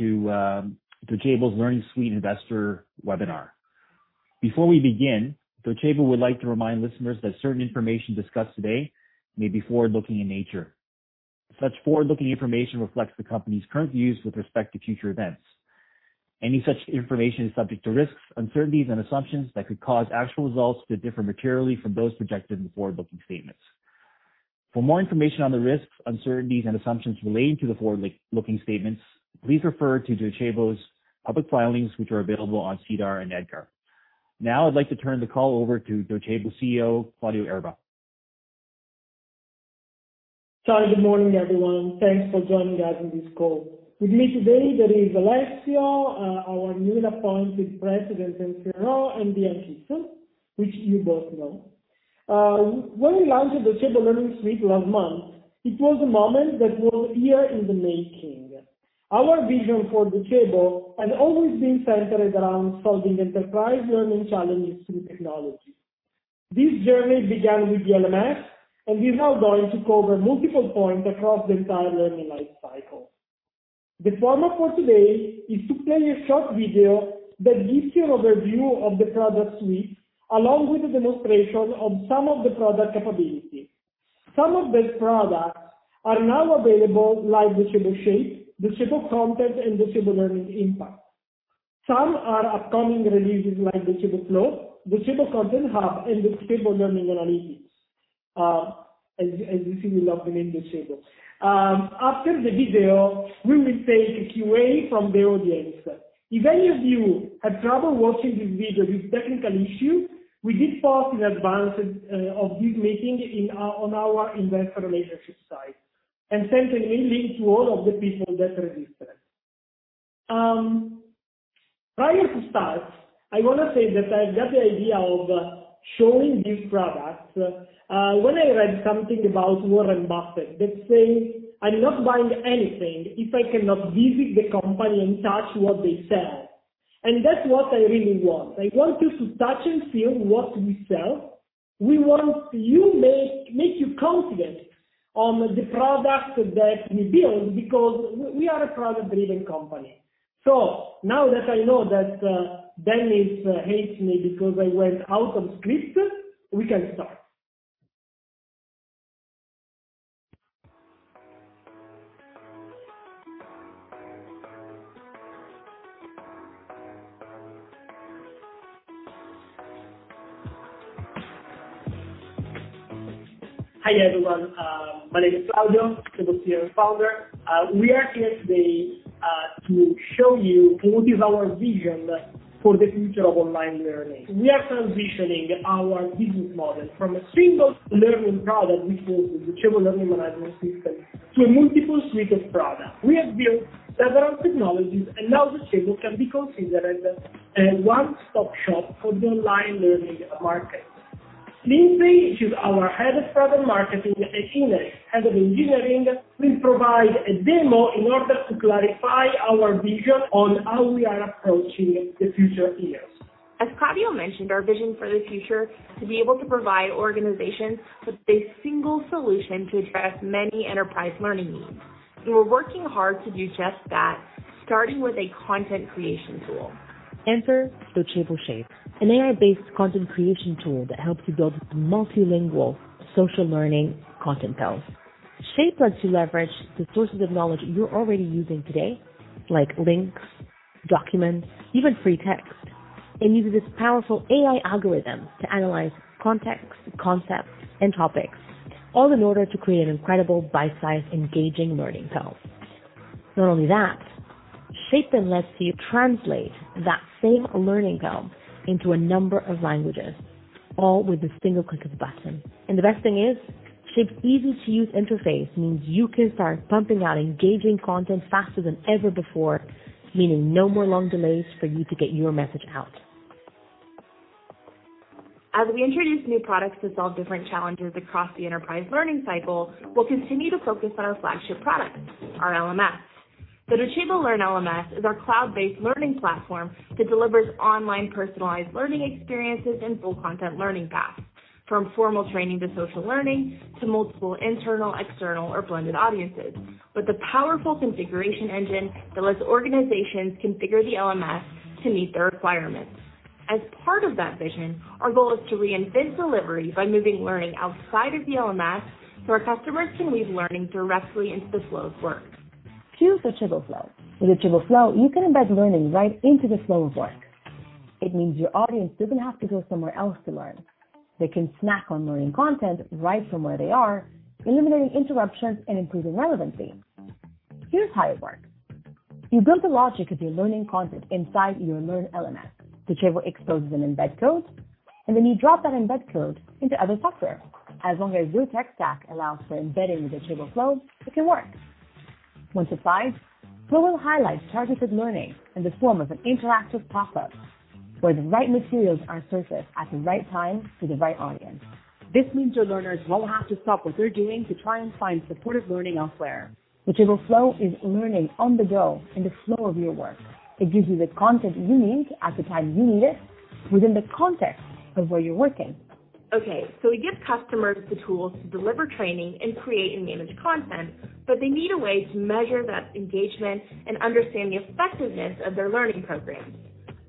to Docebo's Learning Suite Investor Webinar. Before we begin, Docebo would like to remind listeners that certain information discussed today may be forward-looking in nature. Such forward-looking information reflects the company's current views with respect to future events. Any such information is subject to risks, uncertainties, and assumptions that could cause actual results to differ materially from those projected in the forward-looking statements. For more information on the risks, uncertainties, and assumptions relating to the forward-looking statements, please refer to Docebo's public filings, which are available on SEDAR and EDGAR. Now, I'd like to turn the call over to Docebo's CEO, Claudio Erba. Hi, good morning, everyone. Thanks for joining us on this call. With me today, there is Alessio, our newly appointed President and CRO, and Ian Kidson, which you both know. When we launched the Docebo Learning Suite last month, it was a moment that was here in the making. Our vision for Docebo has always been centered around solving enterprise learning challenges through technology. This journey began with the LMS, and we are now going to cover multiple points across the entire learning life cycle. The format for today is to play a short video that gives you an overview of the product suite, along with a demonstration of some of the product capabilities. Some of these products are now available like Docebo Shape, Docebo Content, and Docebo Learning Impact. Some are upcoming releases like Docebo Flow, Docebo Content Hub, and Docebo Learning Analytics, as you see launching in Docebo. After the video, we will take a Q&A from the audience. If any of you have trouble watching this video due to technical issues, we did post in advance of this meeting on our investor relations site and sent a link to all of the people that registered. Prior to start, I want to say that I've got the idea of showing these products. When I read something about Warren Buffett that says, "I'm not buying anything if I cannot visit the company and touch what they sell," and that's what I really want. I want you to touch and feel what we sell. We want to make you confident on the product that we build because we are a product-driven company. So now that I know that Dennis hates me because I went out of script, we can start. Hi, everyone. My name is Claudio, Docebo CEO and Founder. We are here today to show you what is our vision for the future of online learning. We are transitioning our business model from a single learning product, which is the Docebo Learning Management System, to a multiple suite of products. We have built several technologies, and now Docebo can be considered a one-stop shop for the online learning market. Lindsey, she's our Head of Product Marketing, and Ines, Head of Engineering, will provide a demo in order to clarify our vision on how we are approaching the future years. As Claudio mentioned, our vision for the future is to be able to provide organizations with a single solution to address many enterprise learning needs. We're working hard to do just that, starting with a content creation tool. Enter Docebo Shape, an AI-based content creation tool that helps you build multilingual social learning content pills. Shape lets you leverage the sources of knowledge you're already using today, like links, documents, even free text, and uses its powerful AI algorithms to analyze context, concepts, and topics, all in order to create an incredible bite-sized, engaging learning pill. Not only that, Shape then lets you translate that same learning pill into a number of languages, all with a single click of a button. And the best thing is, Shape's easy-to-use interface means you can start pumping out engaging content faster than ever before, meaning no more long delays for you to get your message out. As we introduce new products to solve different challenges across the enterprise learning cycle, we'll continue to focus on our flagship product, our LMS. The Docebo Learn LMS is our cloud-based learning platform that delivers online personalized learning experiences and full content learning paths, from formal training to social learning to multiple internal, external, or blended audiences, with a powerful configuration engine that lets organizations configure the LMS to meet their requirements. As part of that vision, our goal is to reinvent delivery by moving learning outside of the LMS so our customers can weave learning directly into the flow of work. To the Docebo Flow. With Docebo Flow, you can embed learning right into the flow of work. It means your audience doesn't have to go somewhere else to learn. They can snack on learning content right from where they are, eliminating interruptions and improving relevancy. Here's how it works. You build the logic of your learning content inside your Learn LMS. Docebo exposes an embed code, and then you drop that embed code into other software. As long as your tech stack allows for embedding with Docebo Flow, it can work. Once applied, Flow will highlight targeted learning in the form of an interactive pop-up, where the right materials are surfaced at the right time to the right audience. This means your learners won't have to stop what they're doing to try and find supportive learning elsewhere. Docebo Flow is learning on the go in the flow of your work. It gives you the content you need at the time you need it within the context of where you're working. Okay, so we give customers the tools to deliver training and create and manage content, but they need a way to measure that engagement and understand the effectiveness of their learning programs.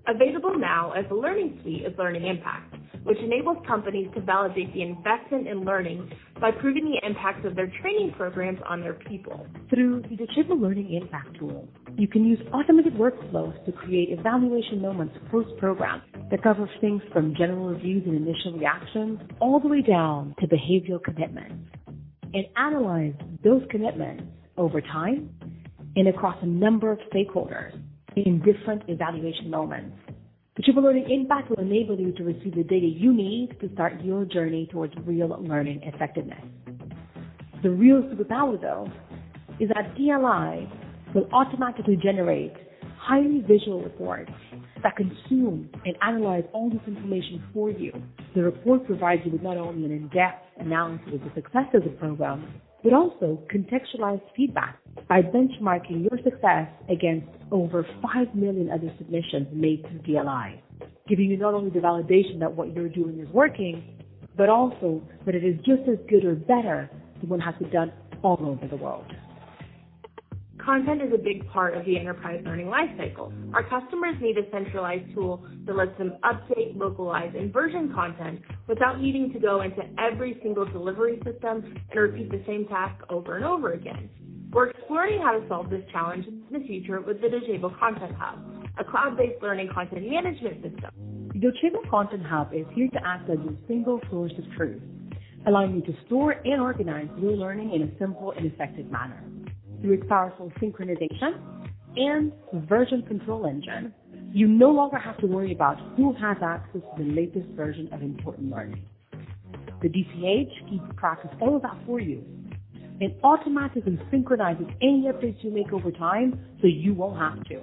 Available now as the Learning Suite is Learning Impact, which enables companies to validate the investment in learning by proving the impact of their training programs on their people. Through the Docebo Learning Impact tool, you can use automated workflows to create evaluation moments post-program that cover things from general reviews and initial reactions all the way down to behavioral commitments, and analyze those commitments over time and across a number of stakeholders in different evaluation moments. Docebo Learning Impact will enable you to receive the data you need to start your journey towards real learning effectiveness. The real superpower, though, is that DLI will automatically generate highly visual reports that consume and analyze all this information for you. The report provides you with not only an in-depth analysis of the success of the program, but also contextualized feedback by benchmarking your success against over 5 million other submissions made through DLI, giving you not only the validation that what you're doing is working, but also that it is just as good or better than what has been done all over the world. Content is a big part of the enterprise learning life cycle. Our customers need a centralized tool that lets them update, localize, and version content without needing to go into every single delivery system and repeat the same task over and over again. We're exploring how to solve this challenge in the future with the Docebo Content Hub, a cloud-based learning content management system. Docebo Content Hub is here to act as a single source of truth, allowing you to store and organize your learning in a simple and effective manner. Through its powerful synchronization and version control engine, you no longer have to worry about who has access to the latest version of important learning. The DCH keeps track of all of that for you and automatically synchronizes any updates you make over time so you won't have to.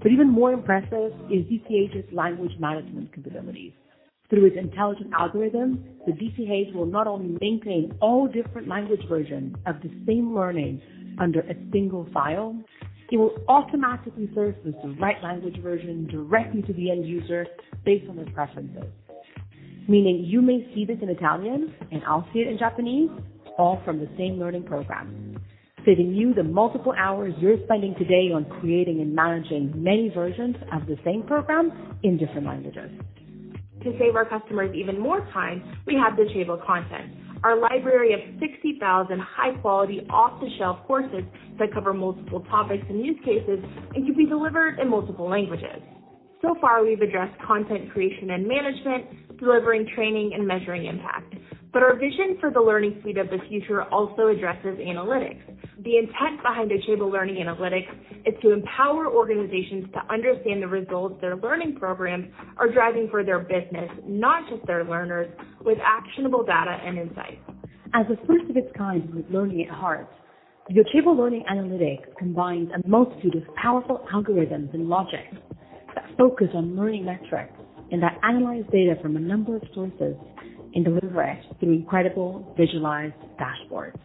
But even more impressive is DCH's language management capabilities. Through its intelligent algorithm, the DCH will not only maintain all different language versions of the same learning under a single file, it will automatically surface the right language version directly to the end user based on their preferences, meaning you may see this in Italian and I'll see it in Japanese, all from the same learning program, saving you the multiple hours you're spending today on creating and managing many versions of the same program in different languages. To save our customers even more time, we have Docebo Content, our library of 60,000 high-quality off-the-shelf courses that cover multiple topics and use cases and can be delivered in multiple languages. So far, we've addressed content creation and management, delivering training and measuring impact. But our vision for the learning suite of the future also addresses analytics. The intent behind Docebo Learning Analytics is to empower organizations to understand the results their learning programs are driving for their business, not just their learners, with actionable data and insights. As a first of its kind with learning at heart, Docebo Learning Analytics combines a multitude of powerful algorithms and logics that focus on learning metrics and that analyze data from a number of sources and deliver it through incredible visualized dashboards.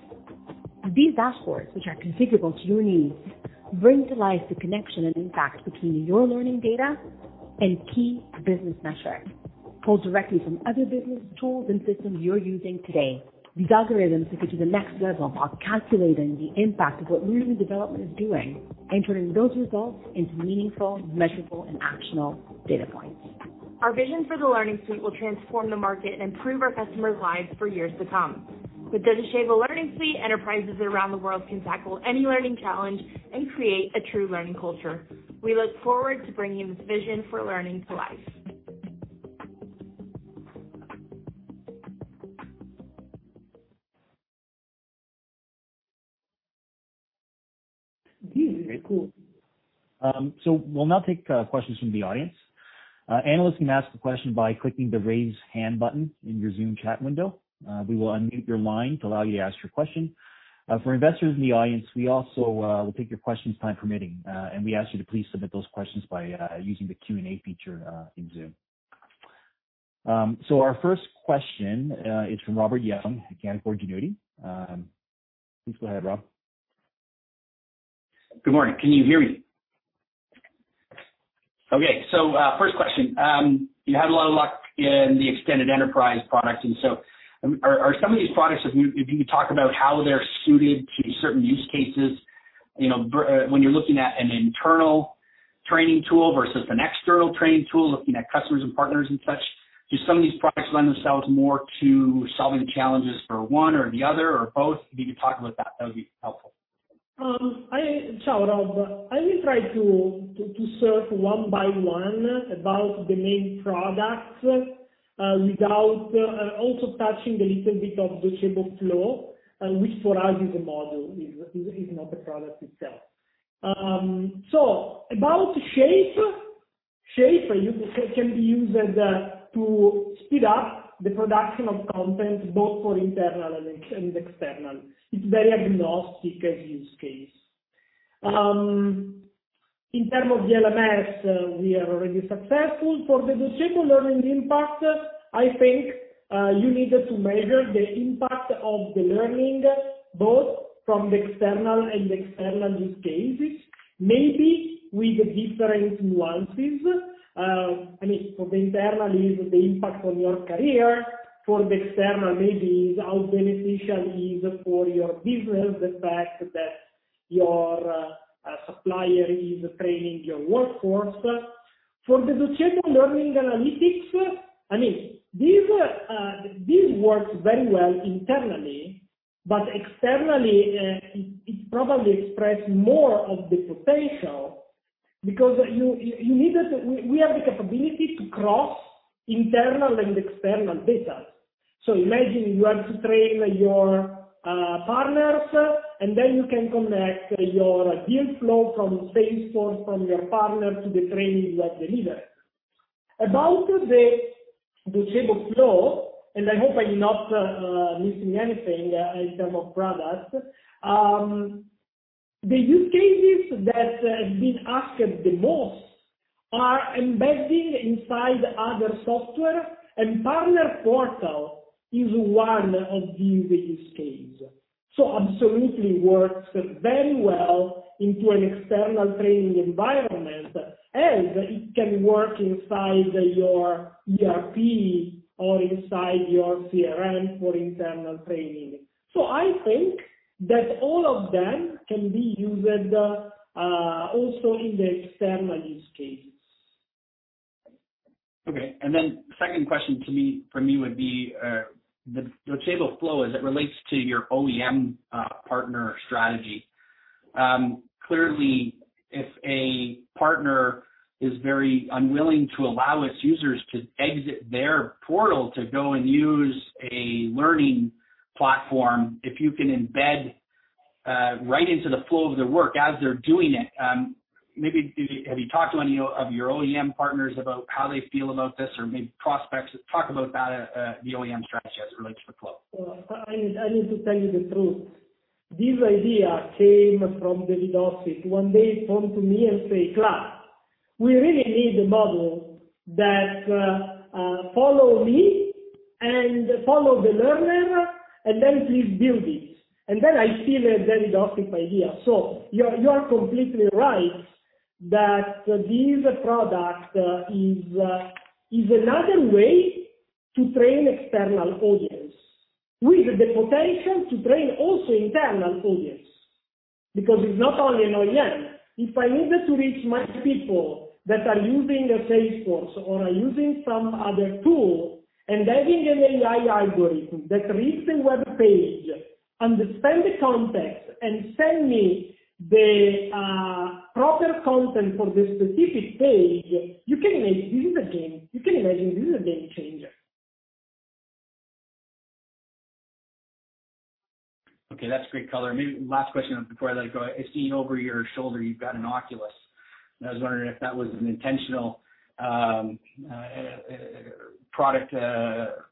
These dashboards, which are configurable to your needs, bring to life the connection and impact between your learning data and key business metrics pulled directly from other business tools and systems you're using today. These algorithms take you to the next level of calculating the impact of what learning development is doing, entering those results into meaningful, measurable, and actionable data points. Our vision for the Learning Suite will transform the market and improve our customers' lives for years to come. With Docebo Learning Suite, enterprises around the world can tackle any learning challenge and create a true learning culture. We look forward to bringing this vision for learning to life. This is very cool. So we'll now take questions from the audience. Analysts can ask a question by clicking the raise hand button in your Zoom chat window. We will unmute your line to allow you to ask your question. For investors in the audience, we also will take your questions time permitting, and we ask you to please submit those questions by using the Q&A feature in Zoom. So our first question is from Robert Young at Canaccord Genuity. Please go ahead, Rob. Good morning. Can you hear me? Okay, so first question. You had a lot of luck in the extended enterprise products. And so are some of these products, if you could talk about how they're suited to certain use cases when you're looking at an internal training tool versus an external training tool, looking at customers and partners and such, do some of these products lend themselves more to solving challenges for one or the other or both? If you could talk about that, that would be helpful. Hi, it's Claudio Erba. I will try to go through one by one about the main products while also touching a little bit of Docebo Flow, which for us is a model, is not the product itself. About Shape. Shape can be used to speed up the production of content both for internal and external. It's very agnostic as use case. In terms of the LMS, we are already successful. For the Docebo Learning Impact, I think you need to measure the impact of the learning both from the internal and the external use cases, maybe with different nuances. I mean, for the internal, it is the impact on your career. For the external, maybe how beneficial it is for your business, the fact that your supplier is training your workforce. For the Docebo Learning Analytics, I mean, this works very well internally, but externally, it probably expresses more of the potential because you needed to. We have the capability to cross internal and external data. So imagine you have to train your partners, and then you can connect your deal flow from Salesforce, from your partner to the training you have delivered. About the Docebo Flow, and I hope I'm not missing anything in terms of products, the use cases that have been asked the most are embedding inside other software, and partner portal is one of these use cases. So absolutely works very well into an external training environment, as it can work inside your ERP or inside your CRM for internal training. So I think that all of them can be used also in the external use cases. Okay. And then second question for me would be Docebo Flow as it relates to your OEM partner strategy. Clearly, if a partner is very unwilling to allow its users to exit their portal to go and use a learning platform, if you can embed right into the flow of their work as they're doing it, maybe have you talked to any of your OEM partners about how they feel about this or maybe prospects talk about the OEM strategy as it relates to the flow? I need to tell you the truth. This idea came from David Austin. One day he phoned to me and said, "Claud, we really need a model that follows me and follows the learner, and then please build it," and then I see the David Austin idea, so you are completely right that this product is another way to train external audience with the potential to train also internal audience because it's not only an OEM. If I needed to reach my people that are using Salesforce or are using some other tool and having an AI algorithm that reads the web page, understands the context, and sends me the proper content for the specific page, you can imagine this is a game changer. Okay, that's great color. Maybe last question before I let it go. I see over your shoulder you've got an Oculus. I was wondering if that was an intentional product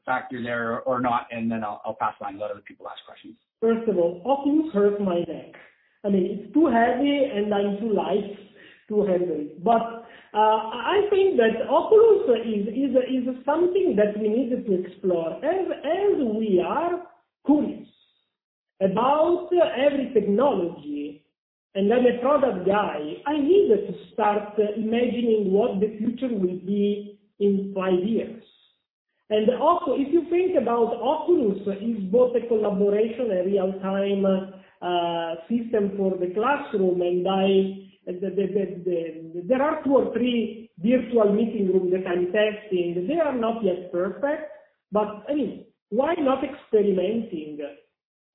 factor there or not, and then I'll pass the line and let other people ask questions. First of all, Oculus hurts my neck. I mean, it's too heavy and I'm too light to handle it. But I think that Oculus is something that we need to explore. As we are curious about every technology and I'm a product guy, I need to start imagining what the future will be in five years. And also, if you think about Oculus, it's both a collaboration and a real-time system for the classroom. And there are two or three virtual meeting rooms that I'm testing. They are not yet perfect, but I mean, why not experimenting?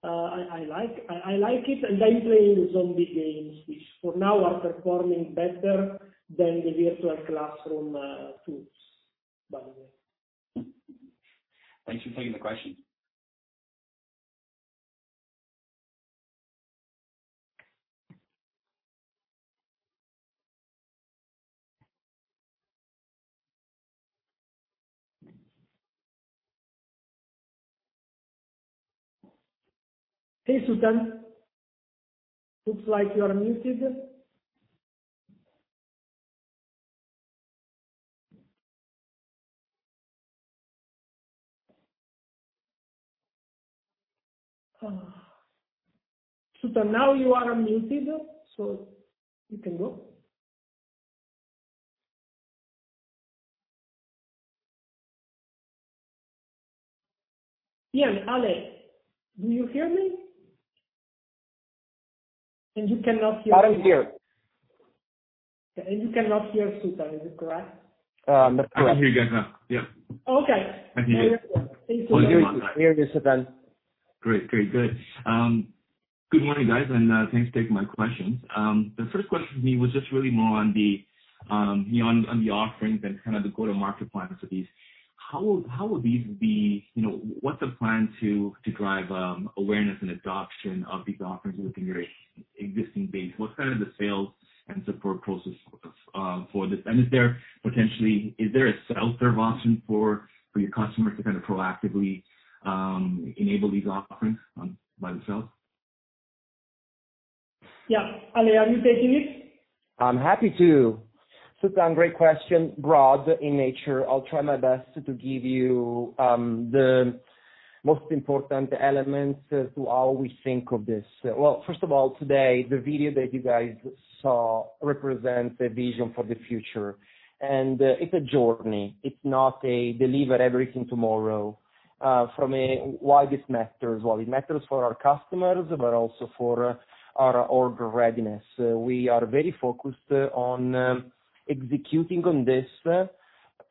I like it. And I'm playing zombie games, which for now are performing better than the virtual classroom tools, by the way. Thanks for taking the question. Hey, Sukaran. Looks like you are muted. Sukaran, now you are muted, so you can go. Ian, Ale, do you hear me? And you cannot hear me. I don't hear. You cannot hear Sukaran. Is it correct? That's correct. I hear you guys now. Yep. Okay. I hear you. Thank you very much. I hear you, Sukaran. Good morning, guys, and thanks for taking my questions. The first question for me was just really more on the offerings and kind of the go-to-market plans for these. How will these be? What's the plan to drive awareness and adoption of these offerings within your existing base? What's kind of the sales and support process for this? And is there potentially a sell-through option for your customers to kind of proactively enable these offerings by themselves? Yeah. Ale, are you taking it? I'm happy to. Sukaran, great question. Broad in nature. I'll try my best to give you the most important elements to how we think of this. First of all, today, the video that you guys saw represents a vision for the future. It's a journey. It's not a deliver everything tomorrow. For me, why this matters? It matters for our customers, but also for our org readiness. We are very focused on executing on this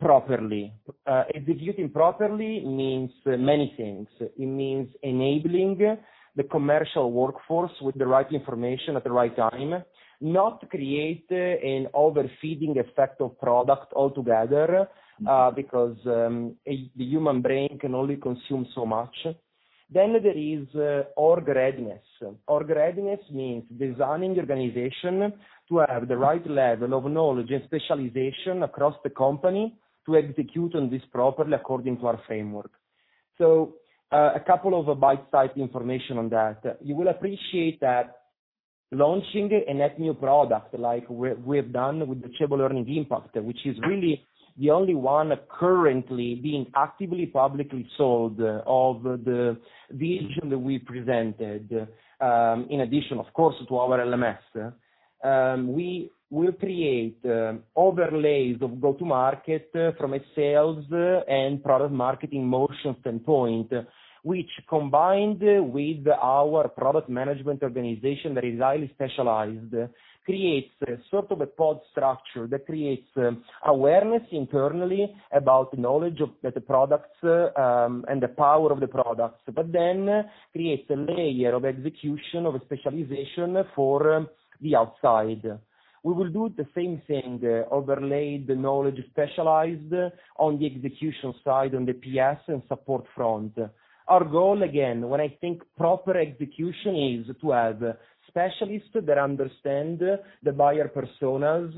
properly. Executing properly means many things. It means enabling the commercial workforce with the right information at the right time, not create an overfeeding effect of product altogether because the human brain can only consume so much. There is org readiness. Order readiness means designing the organization to have the right level of knowledge and specialization across the company to execute on this properly according to our framework. So a couple of bite-sized information on that. You will appreciate that launching a net new product like we've done with Docebo Learning Impact, which is really the only one currently being actively publicly sold of the vision that we presented, in addition, of course, to our LMS. We will create overlays of go-to-market from a sales and product marketing motion standpoint, which, combined with our product management organization that is highly specialized, creates sort of a pod structure that creates awareness internally about the knowledge of the products and the power of the products, but then creates a layer of execution of specialization for the outside. We will do the same thing, overlay the knowledge specialized on the execution side on the PS and support front. Our goal, again, when I think proper execution is to have specialists that understand the buyer personas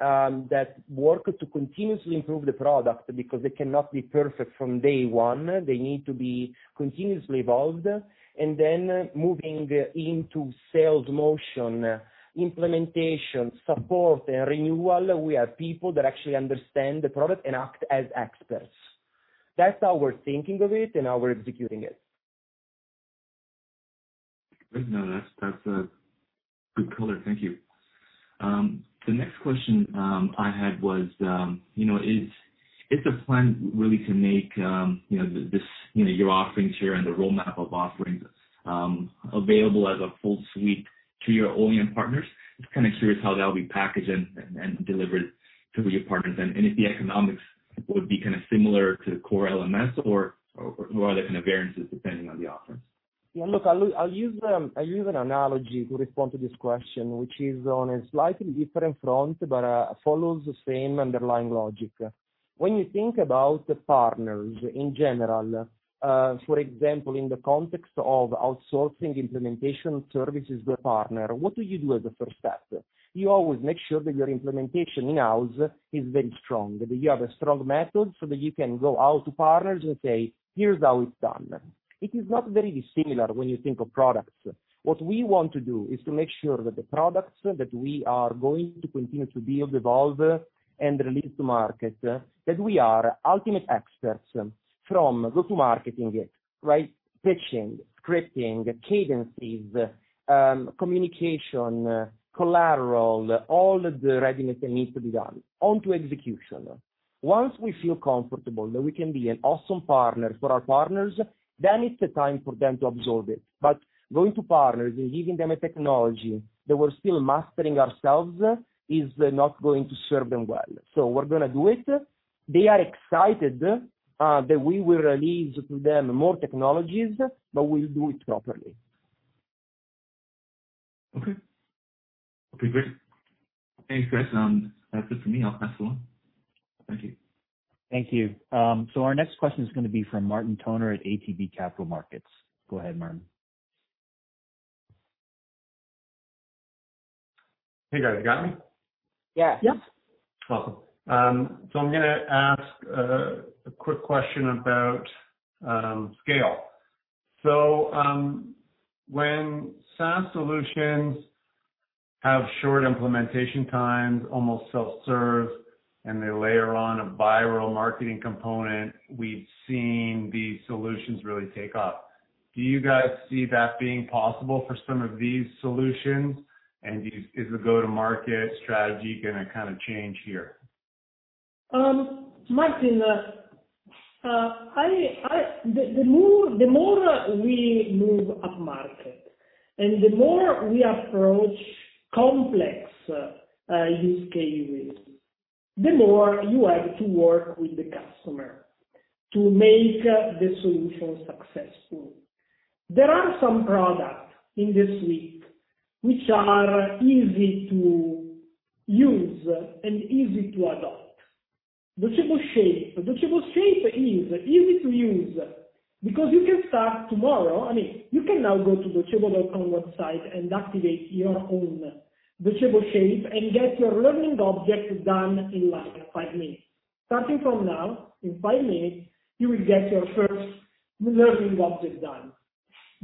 that work to continuously improve the product because they cannot be perfect from day one. They need to be continuously evolved, and then moving into sales motion, implementation, support, and renewal, we have people that actually understand the product and act as experts. That's how we're thinking of it and how we're executing it. Good. No, that's good color. Thank you. The next question I had was, is the plan really to make your offerings here and the roadmap of offerings available as a full suite to your OEM partners? Just kind of curious how that will be packaged and delivered to your partners. And if the economics would be kind of similar to core LMS, or are there kind of variances depending on the offerings? Yeah. Look, I'll use an analogy to respond to this question, which is on a slightly different front but follows the same underlying logic. When you think about partners in general, for example, in the context of outsourcing implementation services to a partner, what do you do as a first step? You always make sure that your implementation in-house is very strong, that you have a strong method so that you can go out to partners and say, "Here's how it's done." It is not very dissimilar when you think of products. What we want to do is to make sure that the products that we are going to continue to build, evolve, and release to market, that we are ultimate experts from go-to-marketing it, right? Pitching, scripting, cadences, communication, collateral, all the readiness that needs to be done onto execution. Once we feel comfortable that we can be an awesome partner for our partners, then it's the time for them to absorb it, but going to partners and giving them a technology that we're still mastering ourselves is not going to serve them well, so we're going to do it. They are excited that we will release to them more technologies, but we'll do it properly. Okay. Okay. Great. Any questions? That's it for me. I'll pass it along. Thank you. Thank you. So our next question is going to be from Martin Toner at ATB Capital Markets. Go ahead, Martin. Hey, guys. You got me? Yeah. Yep. Awesome. So I'm going to ask a quick question about scale. So when SaaS solutions have short implementation times, almost self-serve, and they layer on a buyer or a marketing component, we've seen these solutions really take off. Do you guys see that being possible for some of these solutions? And is the go-to-market strategy going to kind of change here? Martin, the more we move upmarket and the more we approach complex use cases, the more you have to work with the customer to make the solution successful. There are some products in this suite which are easy to use and easy to adopt. Docebo Shape. Docebo Shape is easy to use because you can start tomorrow. I mean, you can now go to docebo.com website and activate your own Docebo Shape and get your learning object done in like five minutes. Starting from now, in five minutes, you will get your first learning object done.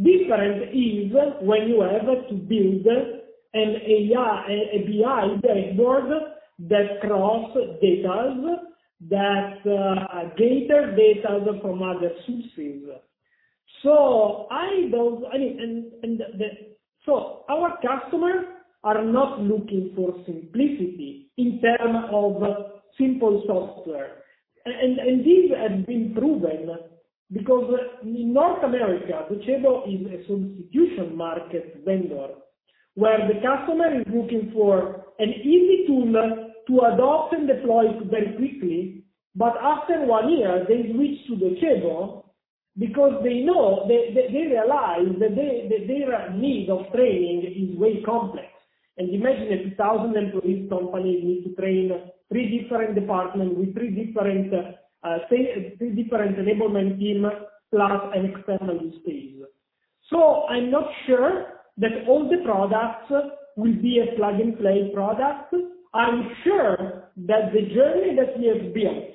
Different is when you have to build an AI dashboard that crosses data that gathers data from other sources. So, I mean, and so our customers are not looking for simplicity in terms of simple software. This has been proven because in North America, Docebo is a substitution market vendor where the customer is looking for an easy tool to adopt and deploy very quickly. But after one year, they switch to Docebo because they realize that their need of training is way complex. Imagine a 2,000-employee company needs to train three different departments with three different enablement teams plus an external use case. So I'm not sure that all the products will be a plug-and-play product. I'm sure that the journey that we have built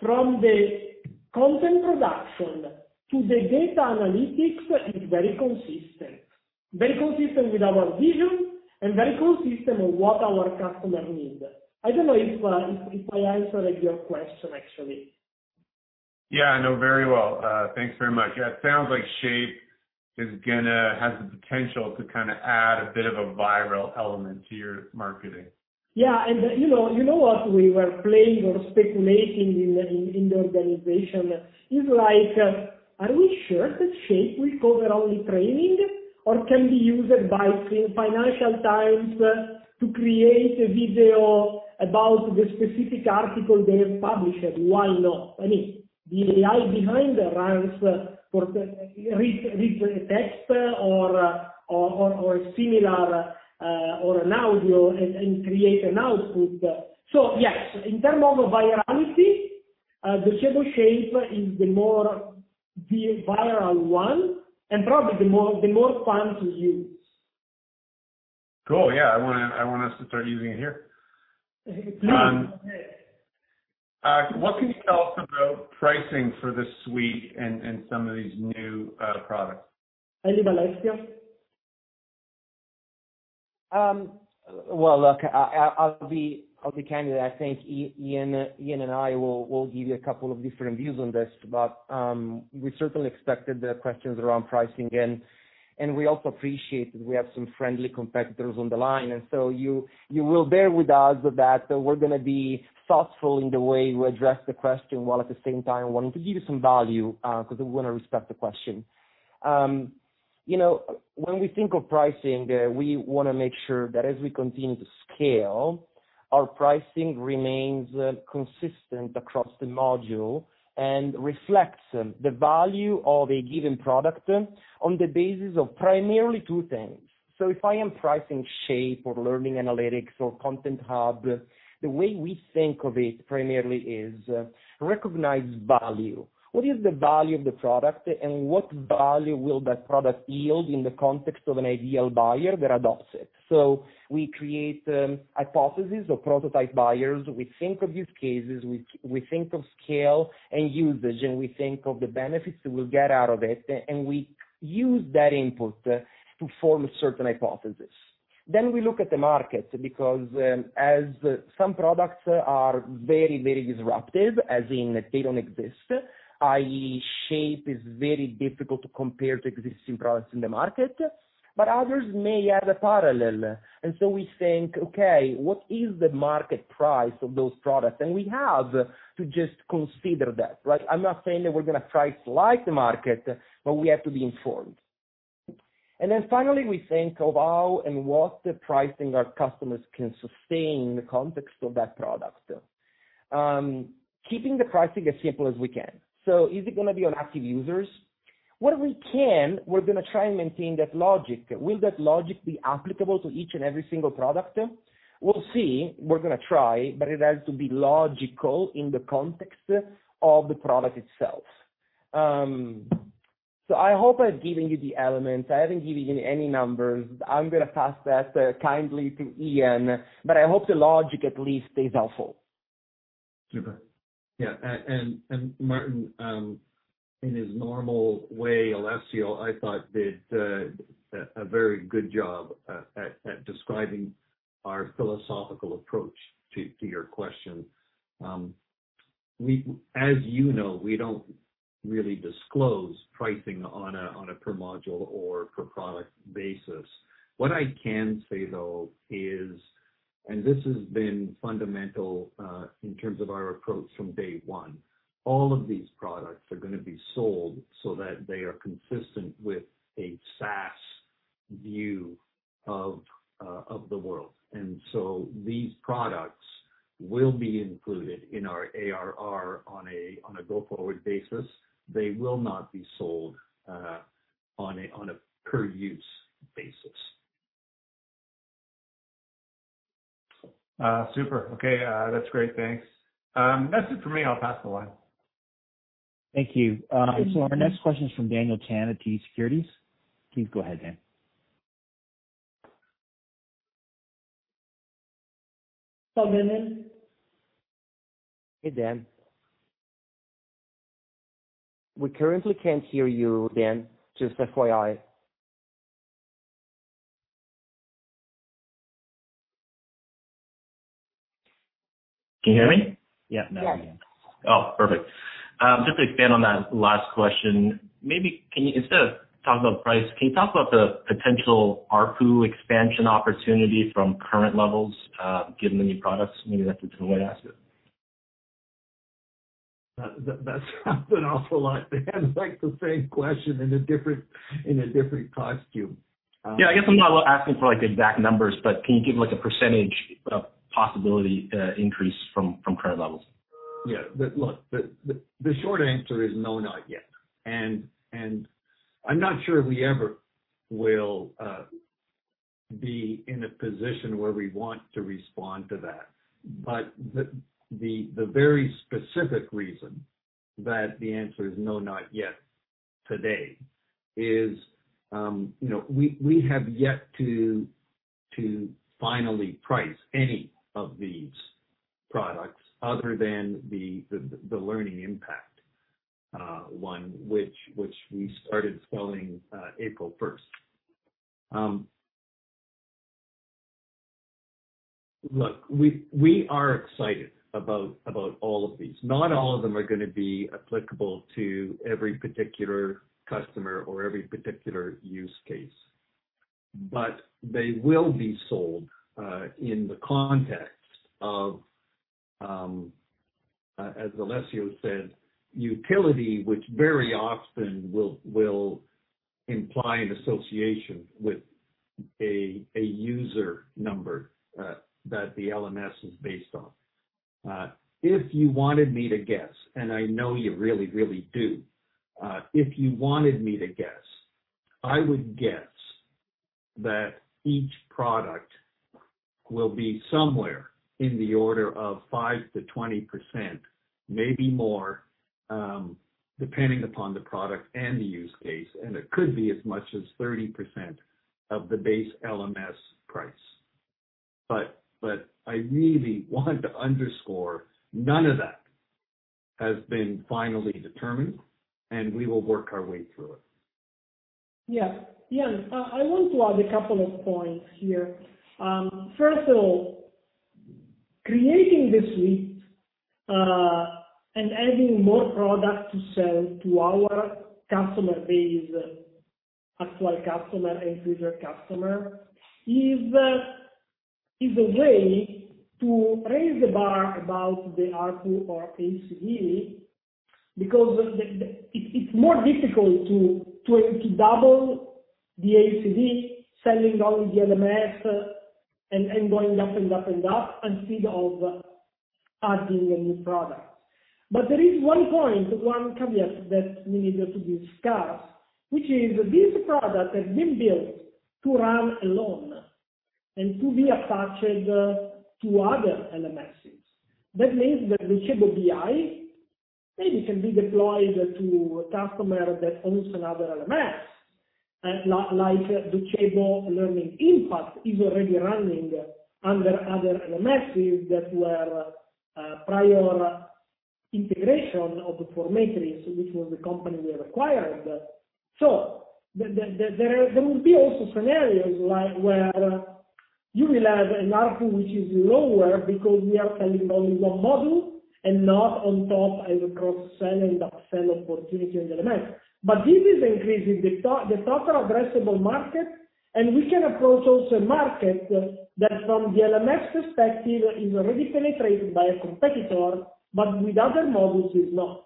from the content production to the data analytics is very consistent, very consistent with our vision and very consistent with what our customers need. I don't know if I answered your question, actually. Yeah. I know very well. Thanks very much. Yeah. It sounds like Shape has the potential to kind of add a bit of a viral element to your marketing. Yeah. And you know what we were playing or speculating in the organization is like, "Are we sure that Shape will cover only training or can be used by Financial Times to create a video about the specific article they have published? Why not?" I mean, the AI behind it runs a text or a similar or an audio and creates an output. So yes, in terms of virality, Docebo Shape is the more viral one and probably the more fun to use. Cool. Yeah. I want us to start using it here. Please, go ahead. What can you tell us about pricing for this suite and some of these new products? Alessio? Look, I'll be candid. I think Ian and I will give you a couple of different views on this, but we certainly expected the questions around pricing. We also appreciate that we have some friendly competitors on the line. You will bear with us that we're going to be thoughtful in the way we address the question while at the same time wanting to give you some value because we want to respect the question. When we think of pricing, we want to make sure that as we continue to scale, our pricing remains consistent across the module and reflects the value of a given product on the basis of primarily two things. If I am pricing Shape or Learning Analytics or content hub, the way we think of it primarily is recognize value. What is the value of the product and what value will that product yield in the context of an ideal buyer that adopts it? So we create hypotheses or prototype buyers. We think of use cases. We think of scale and usage, and we think of the benefits that we'll get out of it. And we use that input to form a certain hypothesis. Then we look at the market because as some products are very, very disruptive, as in they don't exist, i.e., Shape is very difficult to compare to existing products in the market, but others may add a parallel. And so we think, "Okay. What is the market price of those products?" And we have to just consider that, right? I'm not saying that we're going to price like the market, but we have to be informed. Then finally, we think of how and what the pricing our customers can sustain in the context of that product, keeping the pricing as simple as we can. So is it going to be on active users? What we can, we're going to try and maintain that logic. Will that logic be applicable to each and every single product? We'll see. We're going to try, but it has to be logical in the context of the product itself. So I hope I've given you the elements. I haven't given you any numbers. I'm going to pass that kindly to Ian, but I hope the logic at least is helpful. Super. Yeah. And Martin, in his normal way, Alessio, I thought did a very good job at describing our philosophical approach to your question. As you know, we don't really disclose pricing on a per-module or per-product basis. What I can say, though, is, and this has been fundamental in terms of our approach from day one, all of these products are going to be sold so that they are consistent with a SaaS view of the world. And so these products will be included in our ARR on a go-forward basis. They will not be sold on a per-use basis. Super. Okay. That's great. Thanks. That's it for me. I'll pass the line. Thank you. So our next question is from Daniel Chan at TD Securities. Please go ahead, Dan. Hello, Daniel. Hey, Dan. We currently can't hear you, Dan, just FYI. Can you hear me? Yeah. Now we can. Oh, perfect. Just to expand on that last question, maybe can you, instead of talking about price, can you talk about the potential ARPU expansion opportunity from current levels given the new products? Maybe that's a different way to ask it. That sounds an awful lot, Dan. It's the same question in a different costume. Yeah. I guess I'm not asking for exact numbers, but can you give a percentage of possibility increase from current levels? Yeah. Look, the short answer is no, not yet. And I'm not sure we ever will be in a position where we want to respond to that. But the very specific reason that the answer is no, not yet today is we have yet to finally price any of these products other than the Learning Impact one, which we started selling April 1st. Look, we are excited about all of these. Not all of them are going to be applicable to every particular customer or every particular use case, but they will be sold in the context of, as Alessio said, utility, which very often will imply an association with a user number that the LMS is based on. If you wanted me to guess, and I know you really, really do, if you wanted me to guess, I would guess that each product will be somewhere in the order of 5%-20%, maybe more, depending upon the product and the use case. And it could be as much as 30% of the base LMS price. But I really want to underscore none of that has been finally determined, and we will work our way through it. Yeah. Yeah. I want to add a couple of points here. First of all, creating this suite and adding more products to sell to our customer base, actual customer and future customer, is a way to raise the bar about the ARPU or ACV because it's more difficult to double the ACV, selling only the LMS and going up and up and up instead of adding new products. But there is one point, one caveat that we need to discuss, which is this product has been built to run alone and to be attached to other LMSs. That means that Docebo BI maybe can be deployed to a customer that owns another LMS, like Docebo Learning Impact is already running under other LMSs that were prior integration of the Formetris, which was the company we acquired. So there will be also scenarios where you will have an ARPU which is lower because we are selling only one module and not on top as a cross-sell and upsell opportunity on the LMS. But this is increasing the total addressable market, and we can approach also a market that from the LMS perspective is already penetrated by a competitor, but with other modules is not.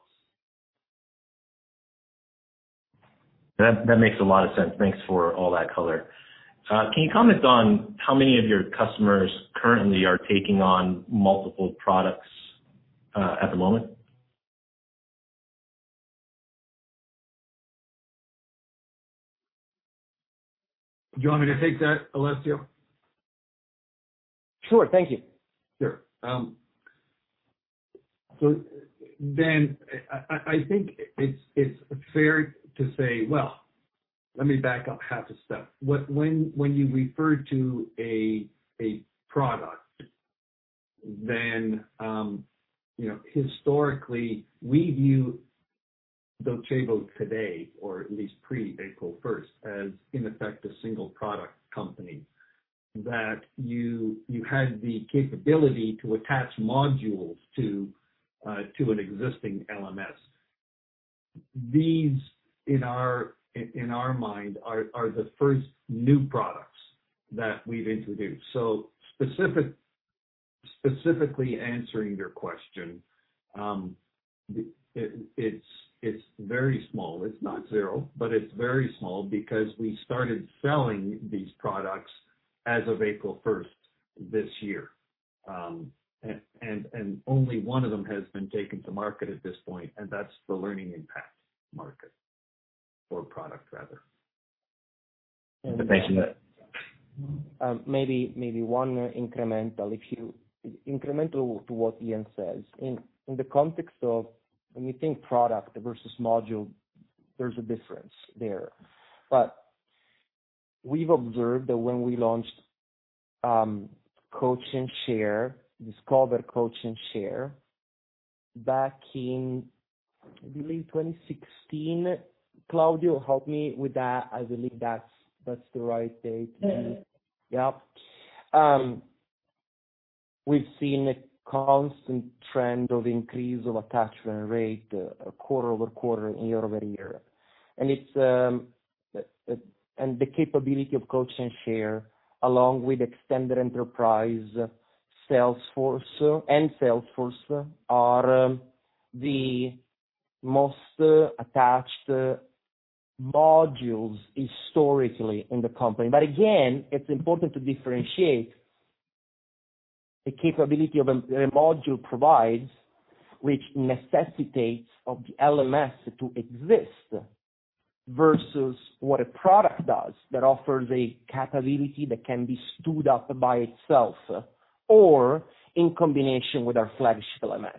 That makes a lot of sense. Thanks for all that color. Can you comment on how many of your customers currently are taking on multiple products at the moment? Do you want me to take that, Alessio? Sure. Thank you. Sure. So, Dan, I think it's fair to say, well, let me back up half a step. When you refer to a product, then historically, we view Docebo today, or at least pre-April 1st, as in effect a single-product company that you had the capability to attach modules to an existing LMS. These, in our mind, are the first new products that we've introduced. So, specifically answering your question, it's very small. It's not zero, but it's very small because we started selling these products as of April 1st this year. And only one of them has been taken to market at this point, and that's the Learning Impact market or product, rather. Thank you. Maybe one incremental towards Ian's says. In the context of, when you think product versus module, there's a difference there. But we've observed that when we launched Coach and Share, Discover Coach and Share back in, I believe, 2016, Claudio, help me with that. I believe that's the right date to use. Yeah. We've seen a constant trend of increase of attachment rate quarter-over-quarter, year-over-year. And the capability of Coach and Share, along with Extended Enterprise and Salesforce, are the most attached modules historically in the company. But again, it's important to differentiate the capability of a module provided, which necessitates the LMS to exist, versus what a product does that offers a capability that can be stood up by itself or in combination with our flagship LMS.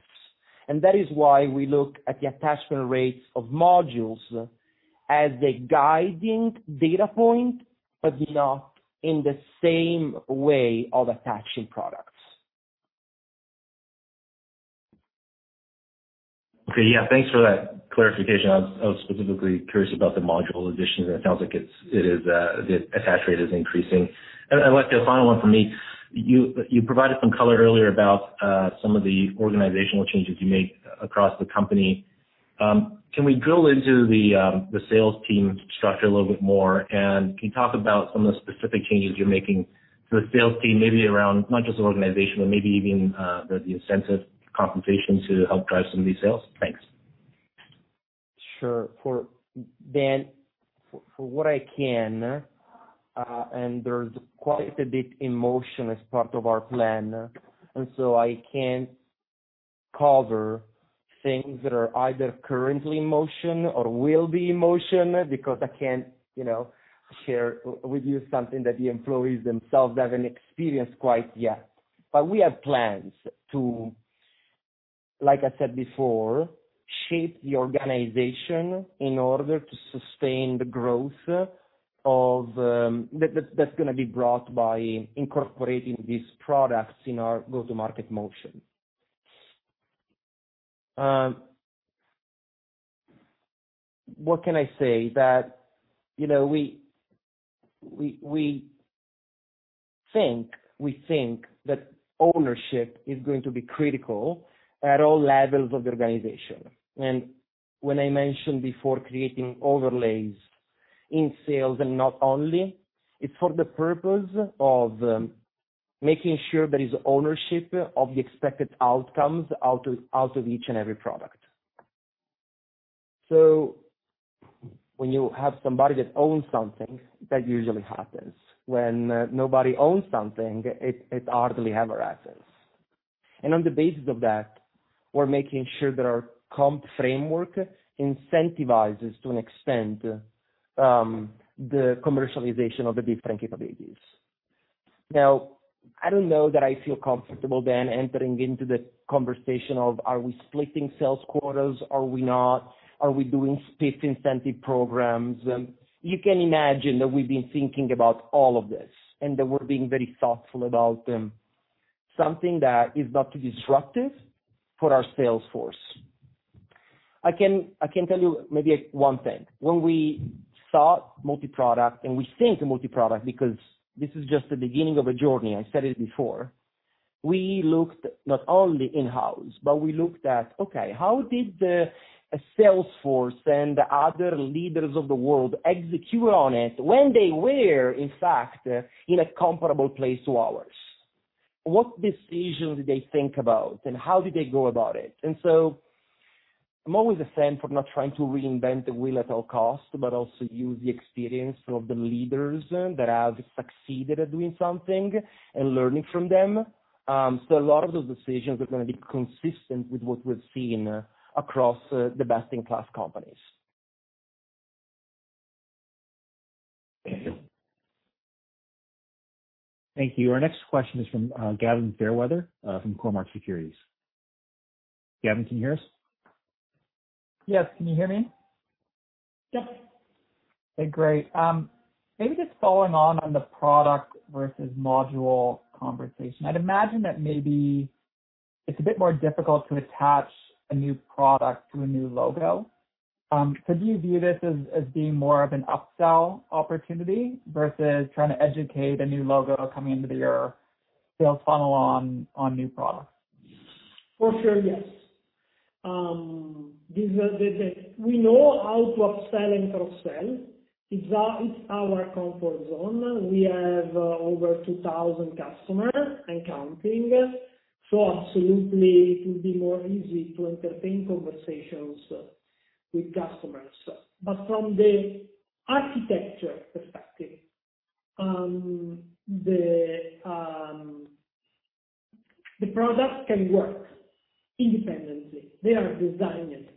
That is why we look at the attachment rates of modules as a guiding data point, but not in the same way of attaching products. Okay. Yeah. Thanks for that clarification. I was specifically curious about the module additions, and it sounds like the attach rate is increasing, and Alessio, final one from me. You provided some color earlier about some of the organizational changes you made across the company. Can we drill into the sales team structure a little bit more, and can you talk about some of the specific changes you're making to the sales team, maybe around not just the organization, but maybe even the incentive compensation to help drive some of these sales? Thanks. Sure. Dan, for what I can, and there's quite a bit in motion as part of our plan, and so I can't cover things that are either currently in motion or will be in motion because I can't share with you something that the employees themselves haven't experienced quite yet, but we have plans to, like I said before, Shape the organization in order to sustain the growth that's going to be brought by incorporating these products in our go-to-market motion. What can I say? That we think that ownership is going to be critical at all levels of the organization, and when I mentioned before creating overlays in sales and not only, it's for the purpose of making sure there is ownership of the expected outcomes out of each and every product, so when you have somebody that owns something, that usually happens. When nobody owns something, it hardly ever happens. And on the basis of that, we're making sure that our comp framework incentivizes, to an extent, the commercialization of the different capabilities. Now, I don't know that I feel comfortable, Dan, entering into the conversation of, are we splitting sales quotas? Are we not? Are we doing split incentive programs? You can imagine that we've been thinking about all of this and that we're being very thoughtful about something that is not too disruptive for our sales force. I can tell you maybe one thing. When we thought multi-product and we think multi-product because this is just the beginning of a journey, I said it before, we looked not only in-house, but we looked at, okay, how did Salesforce and the other leaders of the world execute on it when they were, in fact, in a comparable place to ours? What decisions did they think about, and how did they go about it? And so I'm always a fan for not trying to reinvent the wheel at all costs, but also use the experience of the leaders that have succeeded at doing something and learning from them. So a lot of those decisions are going to be consistent with what we've seen across the best-in-class companies. Thank you. Thank you. Our next question is from Gavin Fairweather from Cormark Securities. Gavin, can you hear us? Yes. Can you hear me? Yep. Okay. Great. Maybe just following on the product versus module conversation. I'd imagine that maybe it's a bit more difficult to attach a new product to a new logo. So do you view this as being more of an upsell opportunity versus trying to educate a new logo coming into your sales funnel on new products? For sure, yes. We know how to upsell and cross-sell. It's our comfort zone. We have over 2,000 customers and counting. So absolutely, it would be more easy to entertain conversations with customers. But from the architecture perspective, the product can work independently. They are designed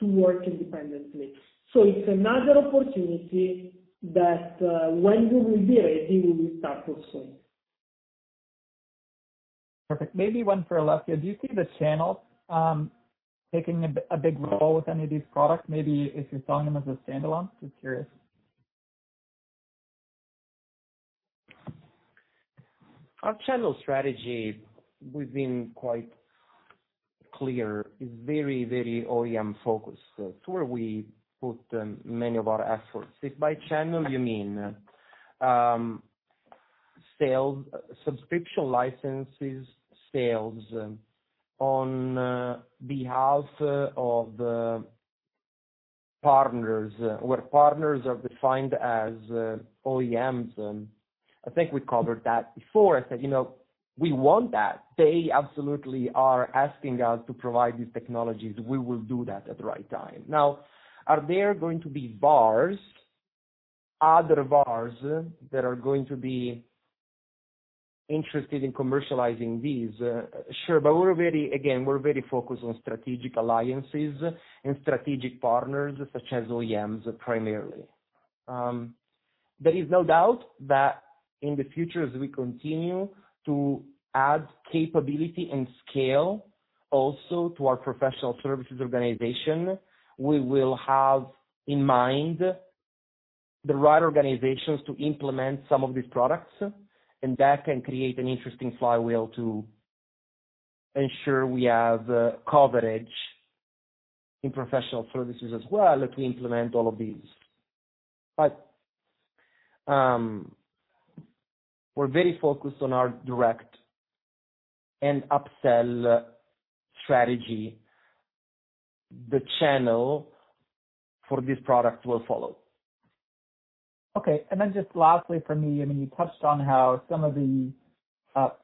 to work independently. So it's another opportunity that when we will be ready, we will start pursuing. Perfect. Maybe one for Alessio. Do you see the channel taking a big role with any of these products, maybe if you're selling them as a standalone? Just curious. Our channel strategy, we've been quite clear, is very, very OEM-focused. That's where we put many of our efforts. If by channel, you mean subscription licenses, sales on behalf of partners, where partners are defined as OEMs? I think we covered that before. I said, "We want that. They absolutely are asking us to provide these technologies. We will do that at the right time." Now, are there going to be other VARs that are going to be interested in commercializing these? Sure. But again, we're very focused on strategic alliances and strategic partners such as OEMs primarily. There is no doubt that in the future, as we continue to add capability and scale also to our professional services organization, we will have in mind the right organizations to implement some of these products. And that can create an interesting flywheel to ensure we have coverage in professional services as well if we implement all of these. But we're very focused on our direct and upsell strategy. The channel for this product will follow. Okay. And then just lastly for me, I mean, you touched on how some of the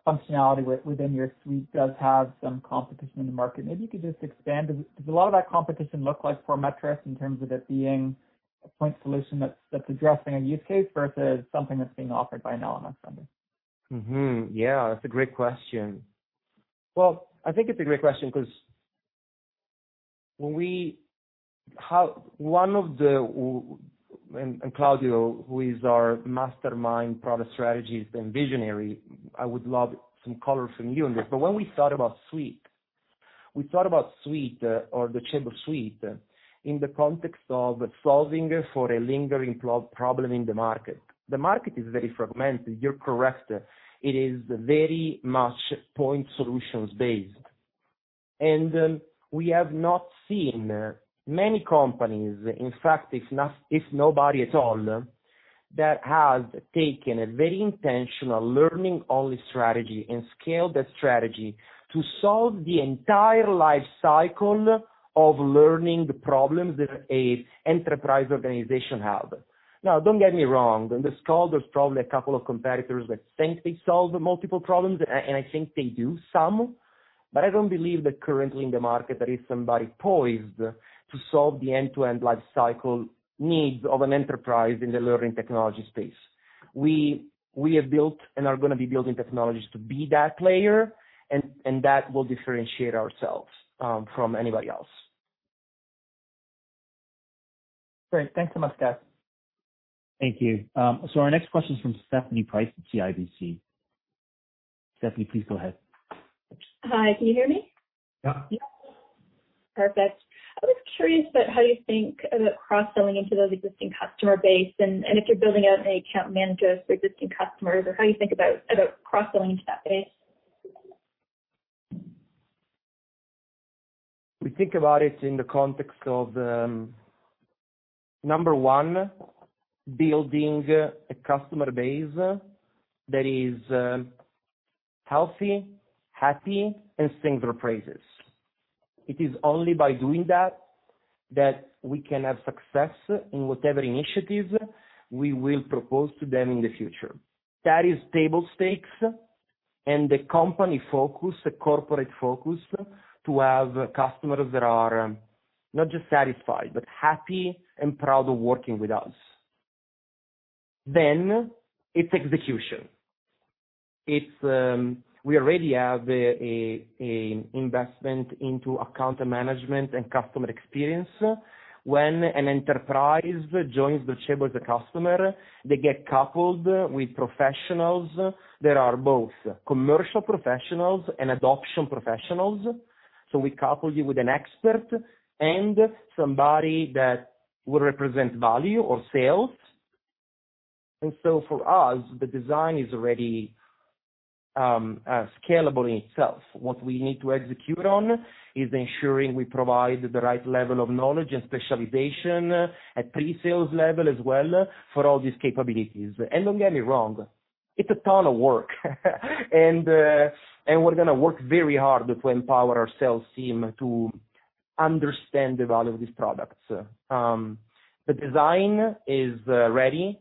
functionality within your suite does have some competition in the market. Maybe you could just expand. Does a lot of that competition look like for Formetris in terms of it being a point solution that's addressing a use case versus something that's being offered by an LMS vendor? Yeah. That's a great question. Well, I think it's a great question because one of the, and Claudio, who is our mastermind product strategist and visionary, I would love some color from you on this. But when we thought about suite, we thought about suite or the Docebo suite in the context of solving for a lingering problem in the market. The market is very fragmented. You're correct. It is very much point solutions based. And we have not seen many companies, in fact, if nobody at all, that has taken a very intentional learning-only strategy and scaled that strategy to solve the entire life cycle of learning the problems that an enterprise organization has. Now, don't get me wrong. In this call, there's probably a couple of competitors that think they solve multiple problems, and I think they do some. I don't believe that currently in the market there is somebody poised to solve the end-to-end life cycle needs of an enterprise in the learning technology space. We have built and are going to be building technologies to be that player, and that will differentiate ourselves from anybody else. Great. Thanks so much, guys. Thank you. So our next question is from Stephanie Price at CIBC. Stephanie, please go ahead. Hi. Can you hear me? Yep. Perfect. I was curious about how you think about cross-selling into those existing customer bases and if you're building out any account managers for existing customers or how you think about cross-selling into that base? We think about it in the context of, number one, building a customer base that is healthy, happy, and sings our praises. It is only by doing that that we can have success in whatever initiatives we will propose to them in the future. That is table stakes, and the company focus, the corporate focus, to have customers that are not just satisfied, but happy and proud of working with us. Then it's execution. We already have an investment into account management and customer experience. When an enterprise joins Docebo as a customer, they get coupled with professionals that are both commercial professionals and adoption professionals. So we couple you with an expert and somebody that will represent value or sales. And so for us, the design is already scalable in itself. What we need to execute on is ensuring we provide the right level of knowledge and specialization at pre-sales level as well for all these capabilities. And don't get me wrong. It's a ton of work. And we're going to work very hard to empower our sales team to understand the value of these products. The design is ready.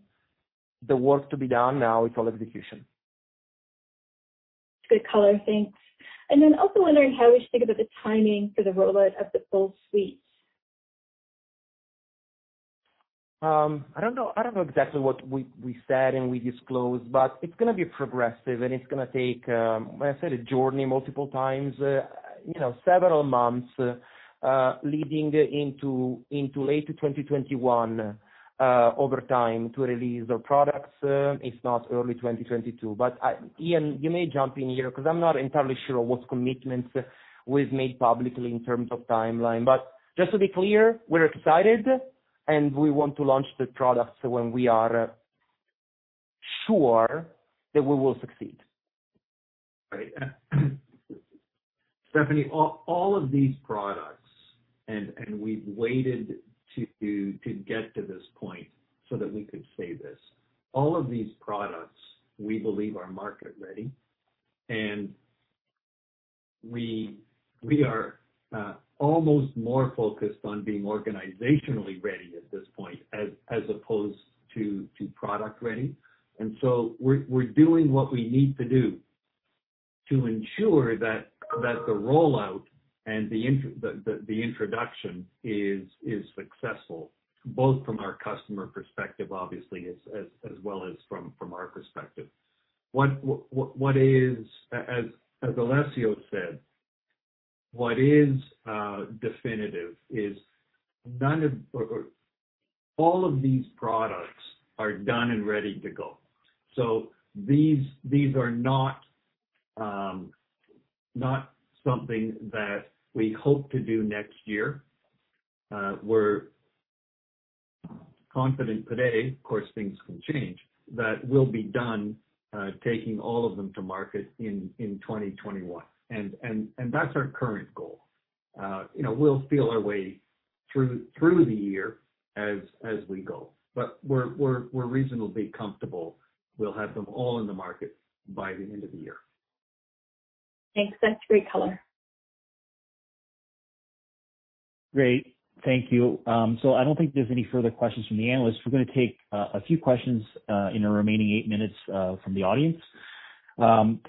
The work to be done now is all execution. Good color. Thanks. And then also wondering how we should think about the timing for the rollout of the full suite. I don't know exactly what we said and we disclosed, but it's going to be progressive, and it's going to take, like I said, a journey multiple times, several months, leading into late 2021 over time to release our products, if not early 2022, but Ian, you may jump in here because I'm not entirely sure what commitments we've made publicly in terms of timeline, but just to be clear, we're excited, and we want to launch the products when we are sure that we will succeed. Right. Stephanie, all of these products (and we've waited to get to this point so that we could say this), all of these products, we believe, are market-ready, and we are almost more focused on being organizationally ready at this point as opposed to product-ready, and so we're doing what we need to do to ensure that the rollout and the introduction is successful, both from our customer perspective, obviously, as well as from our perspective. As Alessio said, what is definitive is all of these products are done and ready to go, so these are not something that we hope to do next year. We're confident today (of course, things can change) that we'll be done taking all of them to market in 2021, and that's our current goal. We'll feel our way through the year as we go. But we're reasonably comfortable we'll have them all in the market by the end of the year. Thanks. That's great color. Great. Thank you. I don't think there's any further questions from the analysts. We're going to take a few questions in the remaining eight minutes from the audience.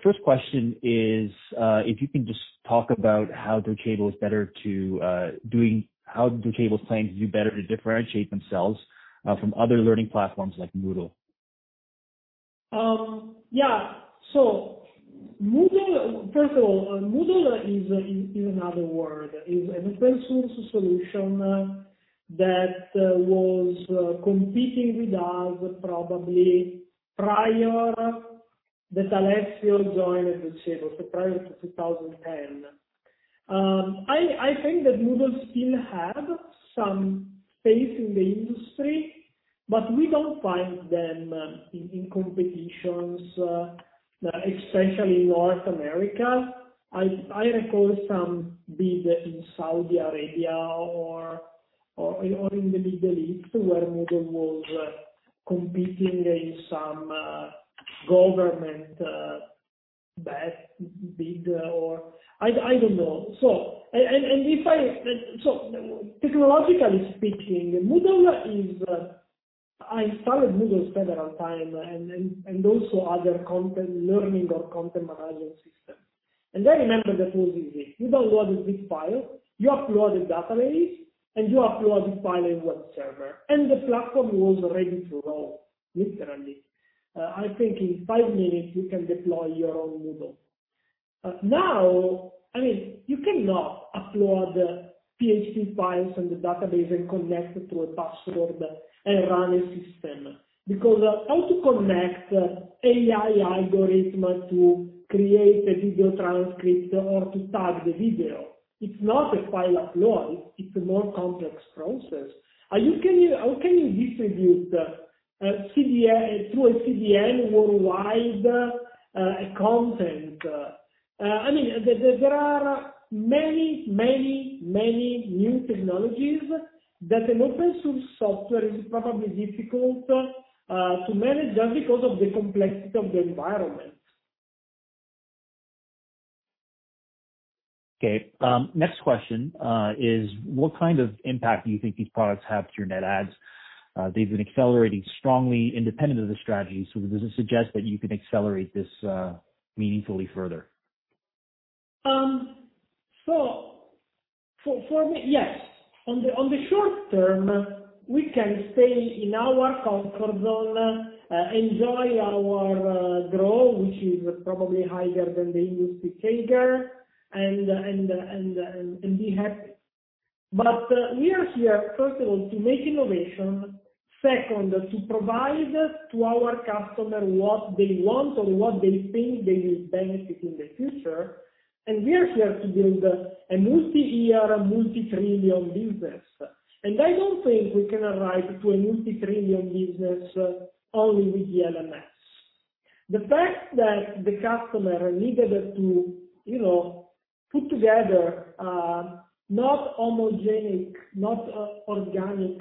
First question is if you can just talk about how Docebo is planning to do better to differentiate themselves from other learning platforms like Moodle. Yeah. So, Moodle, first of all, Moodle is another world. It's an open-source solution that was competing with us probably prior that Alessio joined Docebo, so prior to 2010. I think that Moodle still has some space in the industry, but we don't find them in competitions, especially in North America. I recall some bid in Saudi Arabia or in the Middle East where Moodle was competing in some government bid, or I don't know. So, technologically speaking, Moodle is. I installed Moodle the first time and also other learning or content management systems. And I remember that was easy. You downloaded the file, you uploaded the database, and you uploaded the file in web server. And the platform was ready to roll, literally. I think in five minutes, you can deploy your own Moodle. Now, I mean, you cannot upload PHP files in the database and connect it to a password and run a system because how to connect AI algorithms to create a video transcript or to tag the video? It's not a file upload. It's a more complex process. How can you distribute through a CDN worldwide content? I mean, there are many, many, many new technologies that an open-source software is probably difficult to manage just because of the complexity of the environment. Okay. Next question is, what kind of impact do you think these products have to your Net Adds? They've been accelerating strongly independent of the strategy. So does it suggest that you can accelerate this meaningfully further? So for me, yes. On the short term, we can stay in our comfort zone, enjoy our growth, which is probably higher than the industry figure, and be happy. But we are here, first of all, to make innovation. Second, to provide to our customers what they want or what they think they will benefit in the future. And we are here to build a multi-year, multi-trillion business. And I don't think we can arrive to a multi-trillion business only with the LMS. The fact that the customer needed to put together not homogeneous, not organic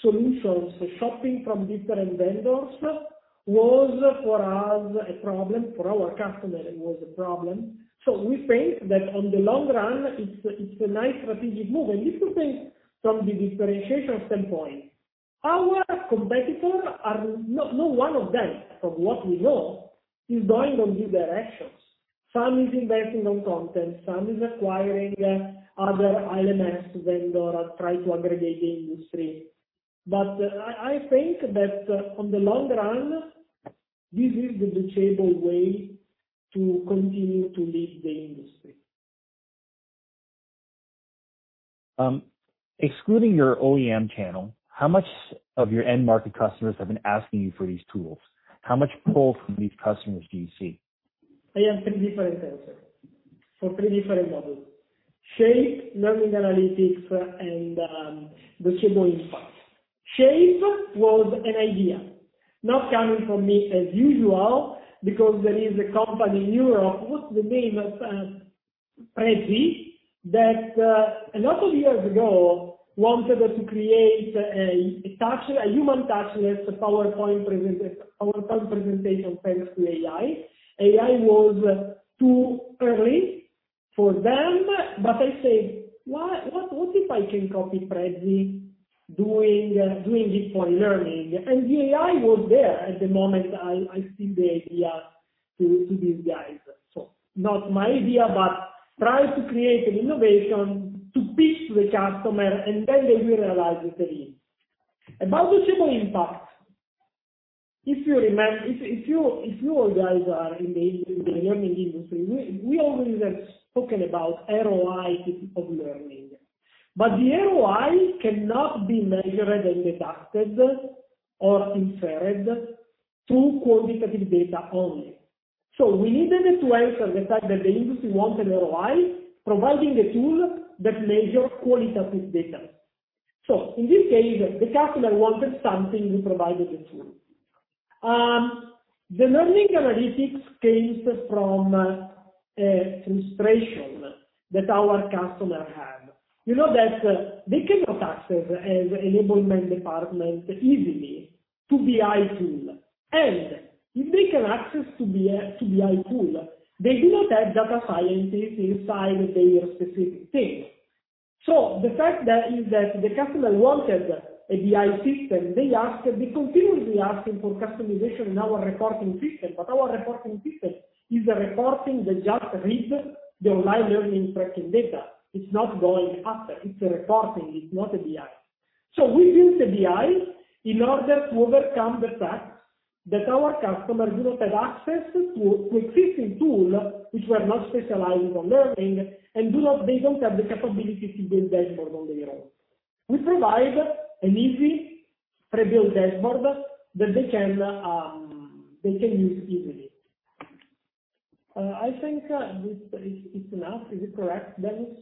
solutions, shopping from different vendors was, for us, a problem. For our customers, it was a problem. So we think that on the long run, it's a nice strategic move. And if you think from the differentiation standpoint, our competitor (no one of them, from what we know) is going on these directions. Some are investing in content. Some are acquiring other LMS vendors and trying to aggregate the industry. But I think that on the long run, this is the Docebo way to continue to lead the industry. Excluding your OEM channel, how much of your end market customers have been asking you for these tools? How much pull from these customers do you see? I have three different answers for three different models: Shape, Learning Analytics, and Docebo Impact. Shape was an idea, not coming from me as usual because there is a company in Europe—what's the name?—Prezi that a lot of years ago wanted to create a human touchless PowerPoint presentation thanks to AI. AI was too early for them. But I said, "What if I can copy Prezi doing deep learning?" And the AI was there at the moment. I see the idea to these guys. So not my idea, but trying to create an innovation to pitch to the customer, and then they will realize it's a lead. About Docebo Impact, if you remember, if you all guys are in the learning industry, we always have spoken about ROI of learning. But the ROI cannot be measured and deducted or inferred through quantitative data only. So we needed to answer the fact that the industry wanted ROI, providing a tool that measures qualitative data. So in this case, the customer wanted something. We provided the tool. The Learning Analytics came from frustration that our customers have. They cannot access an enablement department easily to BI tool. And if they can access to BI tool, they do not have data scientists inside their specific team. So the fact is that the customer wanted a BI system. They continuously asked for customization in our reporting system. But our reporting system is a reporting that just reads the online learning tracking data. It's not going after. It's a reporting. It's not a BI. So we built a BI in order to overcome the fact that our customers do not have access to existing tools which were not specialized on learning, and they don't have the capability to build dashboards on their own. We provide an easy pre-built dashboard that they can use easily. I think it's enough. Is it correct, Dennis?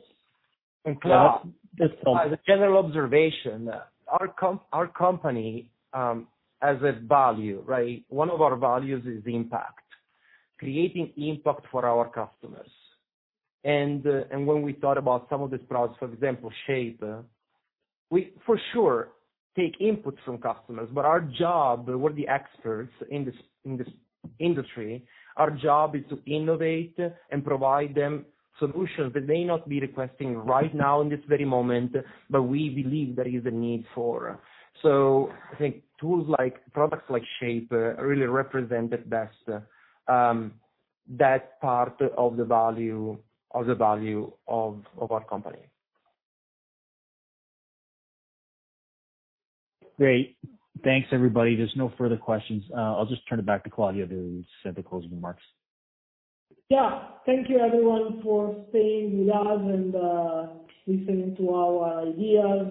I'm clear. Just a general observation. Our company has a value, right? One of our values is impact, creating impact for our customers, and when we talk about some of these products, for example, Shape, we for sure take inputs from customers, but our job, we're the experts in this industry, our job is to innovate and provide them solutions that they may not be requesting right now in this very moment, but we believe there is a need for, so I think tools like products like Shape really represent the best that part of the value of our company. Great. Thanks, everybody. There's no further questions. I'll just turn it back to Claudio there when he says the closing remarks. Yeah. Thank you, everyone, for staying with us and listening to our ideas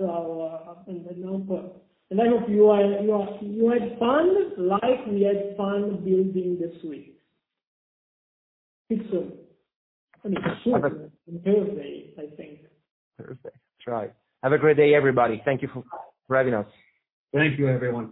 and the notebook, and I hope you had fun like we had fun building the suite. See you soon. I mean, soon is Thursday, I think. Thursday. That's right. Have a great day, everybody. Thank you for having us. Thank you, everyone.